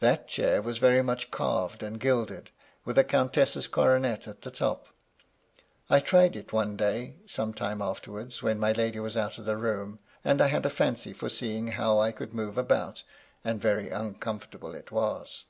That chair was very much carved and gilded, with a countess' coronet at the top. I tried it one day, some time afterwards, when my lady was out of the room, and I had a fancy for seeing how I could move about, and very uncom fortable it was.